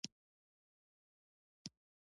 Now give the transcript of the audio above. شېبه وروسته يې لاس د ښځې مټ ته ور ورسېد.